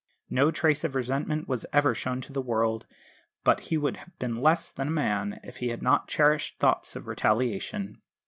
No trace of resentment was ever shown to the world; but he would have been less than a man if he had not cherished thoughts of retaliation.